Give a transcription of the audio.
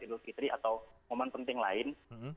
idul fitri atau momen penting lain